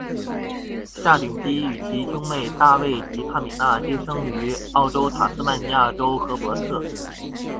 夏鼎基与其兄妹大卫及帕米娜皆生于澳洲塔斯曼尼亚州荷伯特。